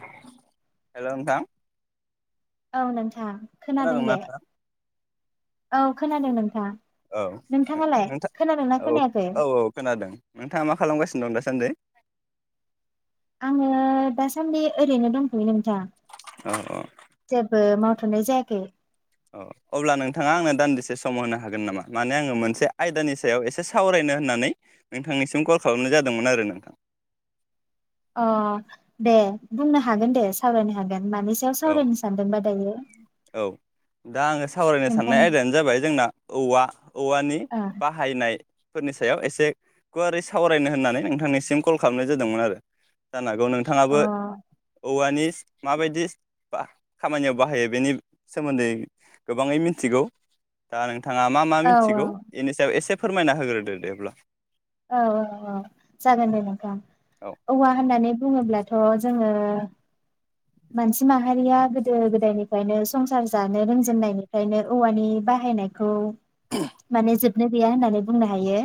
हेल' नोंथां औ नोंथां खोनादों खोनादोंना दे नोंथां औ खोनादों नोंथां औ नो नोंथाङालाय खोनादोंना नोंथां औ खोनायाखै औ औ खोनादों नोंथाङा मा खालामगासिनो दं दासान्दि आङो दासान्दि ओरैनो दंथ'यो नों आ औ औ जेबो मा थ'नाय जायाखै अ अब्ला नोंथाङा आंनो दान्दिसे सम होनो हागोन नामा माने आङो मोनसे आयदानि सायाव एसे सावरायनो होननानै नोंथांनिसिम कल खालामनाय जादोंमोन आरो नोंथां अ दे बुंनो हागोन दे सावरायनो हागोन मानि सायाव औ सावरायनो सानदोंबा दायो औ दा आङो सावरायनो नोंथां साननाय आयदायानो जाबाय जोंना औवा औवानि ओ बाहायनाय फोरनि सायाव एसे गुवारै सावरायनो होननानै नोंथांनिसिम कल खालामनाय जादोंमोन आरो जानाग बगौ अ नोंथाङाबो औवानि माबायदि बा खामानियाव बाहायो बेनि सोमोन्दै गोबाङै मिथिगौ दा नों थाङा मा मा औ मिथिगौ बेनि सायाव एसे फोरमायना होग्रोदो देब्ला औ औ औ जागोन दे नोंथां औ औवा होननानै बुङोब्लाथ' जोङो मानसि माहारिया गोदो गोदायनिफ्रायनो संसार जानो रोंजेननायनिफ्रायनो औवानि बाहायनायखौ माने जो बनो गैया होननानै बुंनो हायो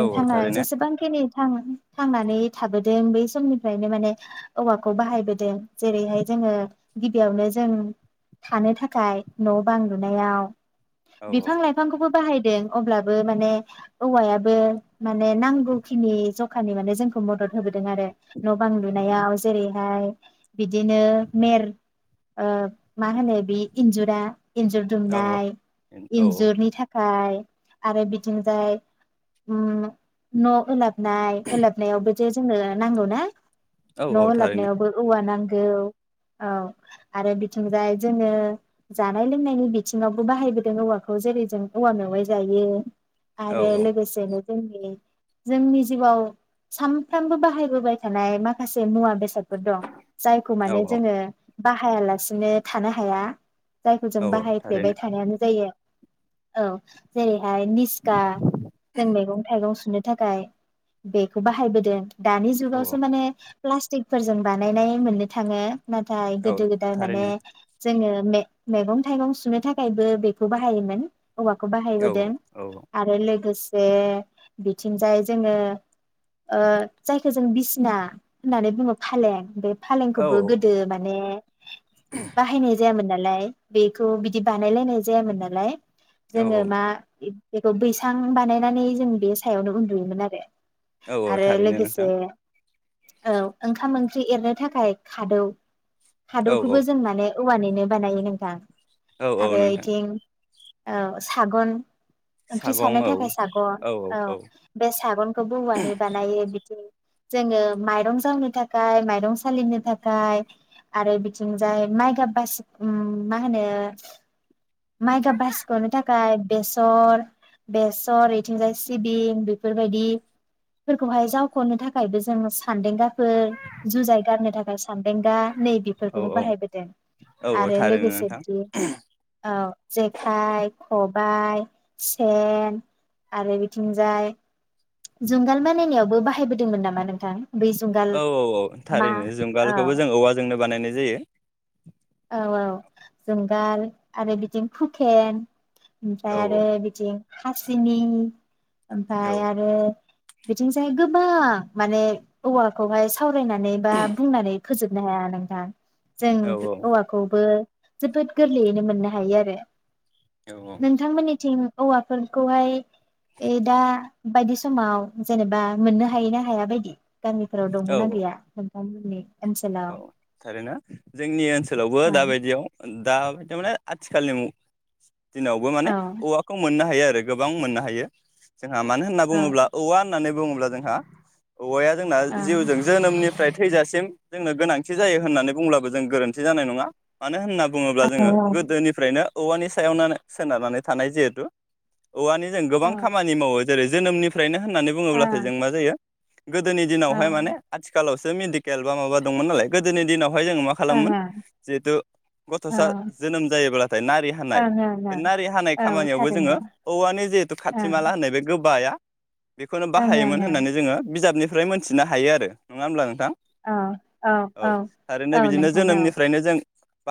औ औ थांनाय थारैनो जेसेबांखिनि थां थांनानै थाबोदों बै समनिफ्रायनो माने औवाखौ बाहायबोदों जेरैहाय जोङो गिबियावनो जों थानो थाखाय न' बां लुनायाव औ औ बिफां लाइफांखौबो बाहायदों अब्लाबो माने औवायाबो माने नांगौखिनि जखानि माने जोंखौ मदद होबोदों आरो न'बां लुनायाव जेरैहाय बिदिनो मेर ओ मा होनो बे इन्जुरा इन्जुर औ दुमनाय औ इन्जुरनि थाखा खाय आरो बिथिंजाय उम न' ओलाब नाय ओलाबनायावबो जे जोंनो नांगौ ना? औ न' औ थारैनो ओलाबनायावबो औवा नां गौ औ आरो बिथिंजाय जोङो जानाय लोंनायनि बिथिङावबो बाहायबोदों औवाखौ जेरै जों औवा मेवाइ जायो। औ आरो लोगोसेनो जोंनि जोंनि जिउआव सानफ्रामबो बाहायबोबाय थानाय माखासे मुवा बेसाद फोरदं जायखौ औ माने औ जोङो बाहायालासिनो थानो हाया। जायखौ औ जों औ बाहायफ्लेबाय थारैनो थानायानो जायो। औ जेरै [unintelligible] निस्खा जों मैगं सुनो थाखाय बेखौ बाहायबोदों । दानि औ जुगावसो माने प्लास्टिकफोरजों बानायनाय मोननो थाङो । नाथाय औ गोदो गोदाय माने थारैनो जोङो मे मैगं-थाइगं सुनो थाखायबो बेखौ बाहायोमोन। औवाखौ औ बाहायबोदों औ आरो लोगो बे। बिथिंजाय जोङो ओ जायखौ जों बिसिना होननानै बुङो फालें बे औ फालेंखौबो गोदो माने बाहायनाय जायामोन ना लाय बेखौ बिदि बानायलायनाय जायामोन नालाय। जोङो औ मा बेखौ बैसां बानायनानै जों बे सायावनो उन्दुयोमोन आरो औ । औ आरो थारैनो लोगोसे नोंथां औ ओंखाम ओंख्रि एरनो थाखाय खादौ। औ खादौखौबो औ जों माने। औवानिनो बानायो नोंथां। औ औ आरो नोंथां इथिं। औ सागन। ओंख्रि सागं सारनो औ थाखाय साग'न। औ बे सागनखौबो औवानि बानायो बिदि। जोङो माइरं जावनो थाखाय माइरं सालिनो थाखाय आरो बिथिंजाय माइगाब बासि उम मा होनो माइगाब बासिख'नो थाखाय बेसर बेसर इथिंजाय। सिबिं बेफोरबायदि फोरखौहाय जावख'नो थाखायबो जों सान्देंगाफोर जुजाय गारनो थाखाय। सान्देंगा नै औ बेफोरखौबो औ बाहायबोदों औ औ आरो थारैनो लोगोसे नोंथां बिदि औ जेखाइ खब बाइ सेन आरो बे। थिंजाय जुंगाल बानायनायावबो बाहायबोदोंमोन नामा नोंथां? बै जुंगाल औ-औ-औ मा थारैनो औ जुंगालखौबो जों औवाजोंनो बानायनाय। जायो। औ-औ जुंगाल आरो बिथिं हुकेन। औ ओमफ्राय आरो बिथिं। हासिनि। औ ओमफाय आरो। बिथिंजाय गोबां माने औवाखौहाय। सावरायनानै बा बुंनानै। फोजोबनो हाया नोंथां। जों औ दु औवाखौबो। जोबोद गोरलैयैनो मोननो हायो आरो। नोंथांमोननिथिं। औवाफोरखौहाय दा बायदि समाव, जेनेबा मोननो हायोना हाया बायदि? गामिफोराव औ दंना गैया। [unintelligible] औ थखरैनो जोंनि ओनसोल। सोलावबो औ दाबायदियाव। दाबायदि माने आथिखालनि मुग। दिनावबो औ माने औवाखौ मोननो हायो आरो। गोबां मोननो हायो। जोंहा मानो होनना बुङोब्ला औ औवा होननानै बुङोब्ला जोंहा औवाया जोंना औ जिउजों जोनोमनिफ्राय थैजासिम जोंनो गोनांथि जायो होननानै बुंब्लाबो जों गोरोन्थि जानाय नङा। मानो होनना बुङोब्ला जोंङो औ गोदोनिफ्रायनो औवानि सायावनो सोनारनानै थानाय जिहेथु। औवानि जों औ ओं गोबां खामानि मावो, जेरै जोनोमनिफ्रायनो होननानै औ बुङोब्लासो जों मा जायो? गोदोनि दिनावहाय माने आथिखालाव मेदिकेल बा माबा दंमोन नालाय गोदोनि दिनाव बेवहाय जोंङो मा खालामोमोन जिहेथु गथसा ओं जोनोम जायोब्लाथाय नारि हानाय ओं ओं बे नारि हानाय औ खामानियावबो थारैनो जोंङो औवानि जिहेतु ओं खाथि माला होननाय बे गोबाया बेखौनो ओं ओं बाहायोमोन ओं होननानै जोंङो बिजाबनि ओमफ्राय मोनथिनो हायो आरो नङा होमब्ला नोंथां औ औ औ थारैनो बिदिनो नोंथां औ जोनोमनिफ्रायनो जों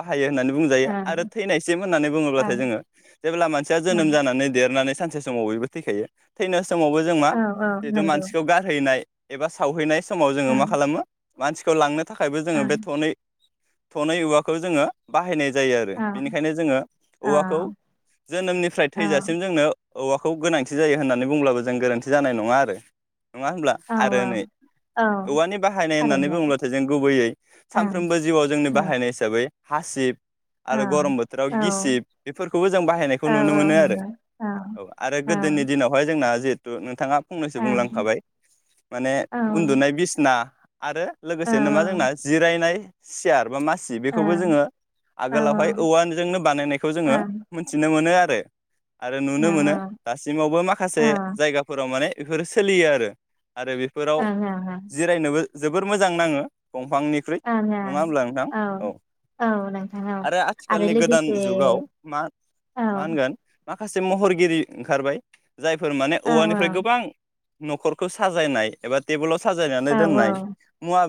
खायो होनना बुंजायो आरो ओं थैनायसिम होननानै बुङोब्लाथाय ओं जोंङो जेब्ला मानसिया जोनम ओं जानानै देरनानै सानसे समाव बयबो थैखायो थैनो समावबो जों मा औ औ जिहेतु नंगौ मानसिखौ गारहैनाय एबा सावहैनाय समाव जोंङो मा ओं खालामो मानसिखौ लांनो थाखायबो जोंङो ओं बे थनै थनै औवाखौ जोंङो बाहायनाय जायो आरो औ बेनिखायनो जोंङो औ औवाखौ जोनोमनिफ्राय औ थैजासिम जोंनो औवाखौ गोनांथि जायो होननानै बुंब्लाबो जों गोरोन्थि जानाय नङा आरो नङा होमब्ला औ औ आरो नै औ औवानि बाख होननानै थारैनो बुङोब्लाथाय जों गुबैयै ओं सामफ्रोमबो जिउआव जोंनि औ बाहायनाय हिसाबै हासिब औ आरो गरम बोथोराव औ गिसिब बेफोरखौबो जों औ बाहायनायखौ नुनो औ मोनो आरो नंगौ औ आरो गोदोनि ओं दिनावहाय जोंना जे थ नोंथाङा फंनैसो औ बुंलांखाबाय माने औ ओं उन्दुनाय बिसना आरो औ लोगोसे नामा जोंना जिरायनाय सियार बा मा सि बेखौबो ओं जोङो औ औ ओं आगोलावहाय औवाजोंनो बानायनायखौ जोङो मिथिनो मोनो आरो दे आरो नुनो मोनो दासिमावबो औ माखासे जायगाफोराव माने बेफोरो सोलियो आरो आरो बेफोराव जिरायनोबो जोबोर मोजां नाङो दंफांनिख्रुइ नङा होमब्ला नोंथां औ औ नोंथां औ आरो आथिखालनि गोदान जुगाव मा औ मा होनगोन माखासे महरगिरि ओंखारबाय जायफोर माने औ औवानिफ्राय गोबां न'खरखौ साजायनाय एबा टेबोलाव साजायनानै औ दोननाय औ मुवा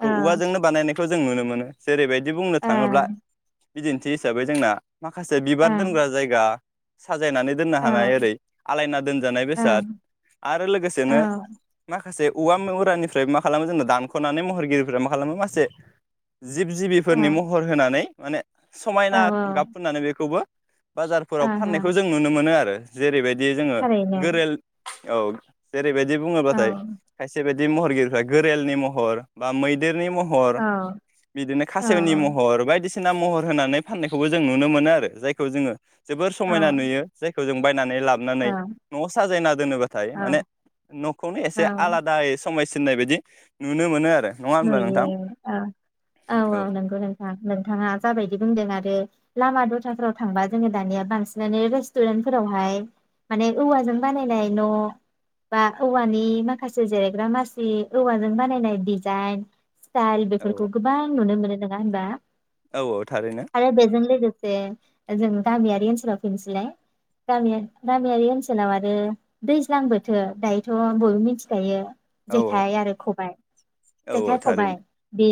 औ औवाजोंनो बानाय जों नुनो मोनो जेरैबायदि बिदि बुंनो थाङोब्ला बिदिन्थि हिसाबै जोंना माखासे औ बिबार दोनग्रा जायगा साजायनानै दोननो औ हानाय ओरै आलायना दोनजानाय औ बेसाद आरो लोगोसेनो माखासे माखासे औवा मेवरानिफ्राय मा खालामो जोङो दानख'नानै महरगिरिफोरा मा खालामो मासे औ जिब-जिबिफोरनि महर होनानै माने समायना ओं गाब फुनानै बेखौबो बाजारफोराव ओं फाननायखौ जों नुनो मोनो आरो जेरैबायदि दि जोङो थारैनो गोरेल औ ओरैबायदि औ बुङोबाथाय खायसे बायदि महरगिरिफ्रा गोरेल नि महर बा मैदेरनि महर औ महर बिदिनो औ खासेवनि महर बायदिसिना बायदिसिना महर होनानै फाननायखौबो जों नुनो मोनो आरो जायखौ जोङो जोबोर औ समायना नुयो जाय खौ जों बाय नानै औ लाफानानै न'आव साजायना दोनोबाथाय माने न'खौनो औ एसे आलादायै समायसि सिनाय बायदि नुनो मोनो आरो नङा होमब्ला नुयो नोंथां औ औ-औ औ नंगौ नोंथां नोंथाङा जाबायदि बुंदों आरो लामा दथाफोराव थांबा जोङो दानिया बांसिनानो रेस्टुरेन्टफोरावहाय माने औवाजों बानायनाय न' बा औवानि माखासे जिरायग्रा मासि औवाजों बानायनाय दाइ स्टाइल औ बेफोरखौ गोबां नुनो मोनो नङा होम्बा औ औ थारैनो ाखसे जों गामियारि ओनसोलाव फैनोसैलाय गामियारि ओनसोलाव आरो दैज्लां बोथोर दायोथ' बयबो मिथिखायो औ जेखाय आरो खबायाइ औ औ जेखाय खबाय थारैनो बे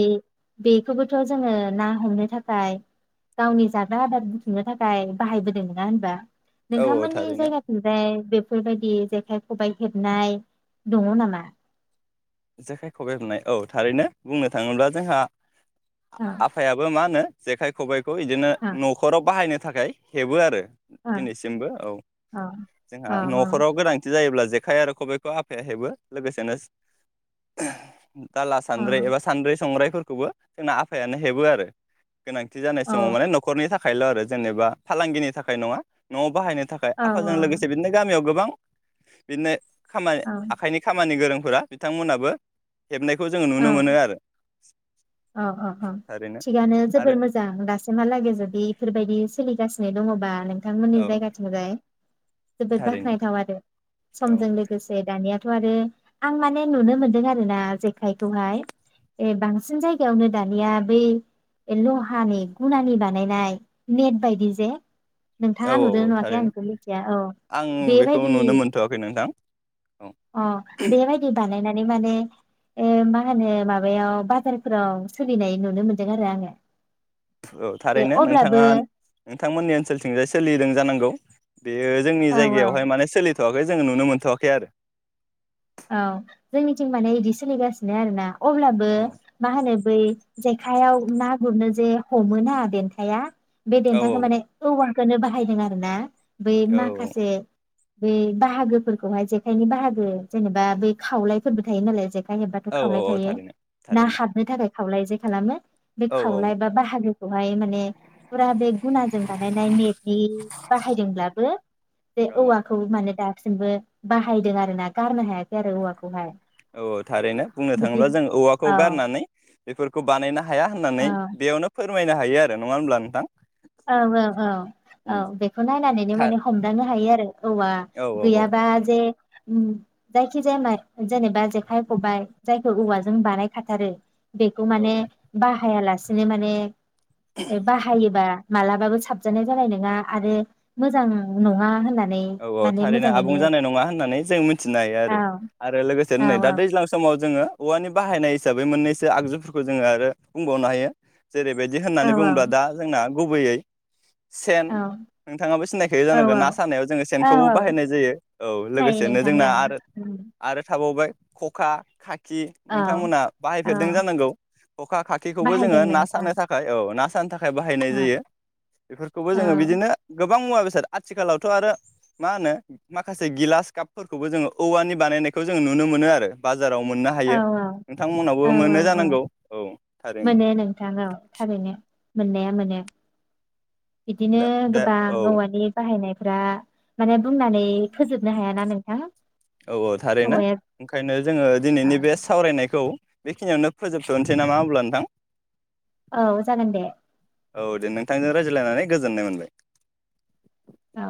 बेखौबोथ' जोङो ना हमनो थाखाय गावनि जाग्रा आदार बुथुमनो थाखाय बाहायबोदों नङा होनबा औ औ नोंथांमोननि थारैनो जायगाथिंज बे बेफोरबायदि जेखाइ खबाइ हेबनाय दङ नामा जेखाय खबाइ होननाय औ थारैनो बुंनो थाङोब्ला जोंहा औ आफायाबो मा होनो जेखाय खबबाय बेखौ बिदिनो औ न'खराव बाहायनो थाखाय हेबो आरो दिनैसिमबो औ औ जोंहा न'खराव गोनांथि जायोब्ला जेखाइ आरो खबाइखौ आफाया हेबो लोगोसेनो [inaudible] दाला औ सानद्रै एबा सानद्रि संरायफोर खौबो जोंना आफायानो हेबो आरो गोनांथि जानाय औ समाव माने न'खरनि थाखाय थाखायल' आरो जेनेबा फालांगिनि थाखाय नङा न'आव बाहायनो नि थाखाय आफाजों लोगोसे बिदिनो गामियाव गोबां बिदिनो खामानि औ आखाइनि खामानि गोरों फोर बिथांमोनाबो औ मोनो आरो औ औ औ थारैनो थिगानो आरो जोबोर मोजां दासिममहालागै जदि बेफोरबायदि सोलिगासिनो ओरैनो दङबा नों नोंथांमोननि औ जायगाथिंजाय जोबोद थारैनो बाख्नायथाव आरो औ समजों लोगोसे दानिया आरो आं माने नुनो मोन्दों आरो ना जेखाय बेहाय बांसिन जायगायावनो दानिया बै लहानि गुनानि बानायनाय नेट बायदि जे औ नोंथाङा नुदों औ नुवाखै आं थारैनो बेखौ मिथिया औ आं बेखौ बेबायदि नुनो मोनथ'वाखै नोंथां औ अ बेबायदि बानायनाय माने ए मा होनो माबायाव बाजारफोराव सोलिनाय नुनो मोनदों आरो आङो औ जे थारैनो नोंथाङा अब्लाबो नोंथांमोननि ओनसोलथिंजाय सोलिदों जानांगौ बेयो जोंनि औ जायगायावहाय माने सोलि थ'वाखै जोङो नुनो मोनथ'वाखै आरो औ जोंनिथिं माने इदि सोलिगासिनो आरोना अब्लाबो औ मा होनो बै जेखायाव ना गुरनो जे हमो‌ना देन्थाया बे औ देन्थखौ माने औवा खौनो बाहायदों आरो ना बै औ माखासे बे बाहागोफोरखौहाय जेखाइनि बाहागो जेनेबा बै खावलायफोरबो थायो नालाय जे खाय हेबबाथ' औ खावलाय औ थायो थारैनो ना थारैनो हाबनो थाखाय खावलायजे खालामो बे औ खावनाय बा बाहागो बेहाय माने फुरा बे गुनाजों बानायनाय नेेटनि बाहायदोंब्लाबो बे औ औवाखौ माने दा दासिमबो बाहायदों आरो ना गारनो हायाखै आरो औवाखौ हाय औ थारैनो बुंनो थाङोब्ला जों औवाखौ औ गारनानै बेफोरखौ बानायनो हाया औ होननानै बेयावनो फैफि फोरमायनो हायो आरो नङा होनोमब्ला नोंथां औ औ औ उम औ बेखौ नायनानैनो था माने हमदानो हायो आरो औवा औ औ गैयाबा जे उम जायखि जाया मा जेनेबा जेखाइ खबाइ जायखौ औवाजों बानायखाथारो बेखौ औ औ माने बाहायालासे नो माने एबाहायोबा मालाबाबो साबजानाय जानाय नङा आरो मोजां नङा होनना औ औ थारैनो आबुं जानाय नङा होननानै जों मिथिनो हायो औ आरो आरो लोगोसे औ नै दा दैज्लां समाव जोङो औवानि बाहायनाय हिसाबै मोननैसो आगजुफोरखौ जोङो आरो बुंबावनो हायो जेरैबायदि औ होननानै बुङोब्ला दा जोंना गुबैयै सेन औ नोंथाङाबो सिनायखायो जानांगोन औ ना सारनायाव जोङो खौबो औ औ बाहायनाय जायो औ सिनायो लोगोसेनो नोंथां जोंना ओं आर उम आरो बावबाय खखा खा खि औ नोंथांमोना औ बाहायफेरदों जानांगौ खखा खाखिखौबो जोङो बाहायदों ना नोंथां सानो थाखाय औ ना सानो [unintelligible] थाखाय बाहायनाय औ जायो बेफोरखौबो औ जोङो बिदिनो गोबां मुवा बेसाद स आथिखालावथ' आरो मा होनो माखासे गिलास कापफोरखौबो जोङो औवानि बानायनायखौ जोङो नुनो मोनो आरो बा बाजाराव मोननो औ हायो औ नोंथांमोननावबो औ मोनो औ जानांगौ औ थारैनो। मोनो नोंथां औ थारैनो मोननाया मोनो। बिदिनो दा दा गोबां औ औवानि बाहायनाय ब्रा माने बुंनानै फोजोबनो हायाना नों? हा? औ औ थारैनो ओंखायनो जोङो दिनैनि बे सावरायनायखौ बेखिनियावनो फोजोबथ'नोसै नामा अब्ला नोंथां। औ जागोन दे। औ दे नोंथांजों रायज्लायनानै गोजोननाय मोनबाय। औ।